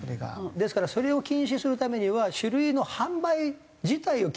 ですからそれを禁止するためには酒類の販売自体を禁止する。